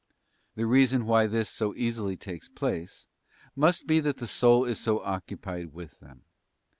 The reason why this so easily takes place, must be that the soul is so occupied with them.